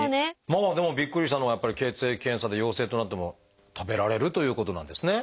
まあでもびっくりしたのはやっぱり血液検査で陽性となっても食べられるということなんですね。